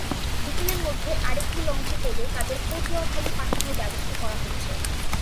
বিকেলের মধ্যে আরেকটি লঞ্চে করে তাঁদের পটুয়াখালী পাঠানোর ব্যবস্থা করা হচ্ছে।